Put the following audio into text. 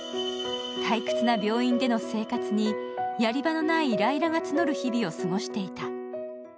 退屈な病院での生活にやり場のないイライラが募る日々を過ごしていた。